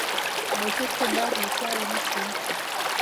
موټر کې باید نشه ونه شي.